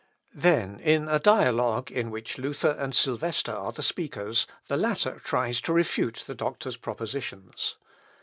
Then in a dialogue, in which Luther and Sylvester are the speakers, the latter tries to refute the doctor's propositions.